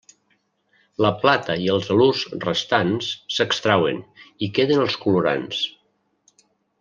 La plata i els halurs restants s'extrauen i queden els colorants.